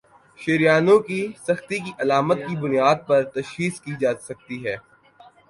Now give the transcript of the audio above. شریانوں کی سختی کی علامات کی بنیاد پر تشخیص کی جاسکتی ہے